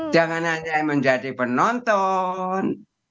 jangan hanya menjadi penonton